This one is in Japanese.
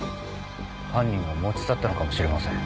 犯人が持ち去ったのかもしれません。